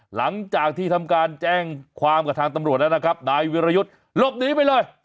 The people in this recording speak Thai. หลังจากที่ทำการแจ้งความกับทางตำรวจแล้วนะครับนายวิรยุทธ์หลบหนีไปเลย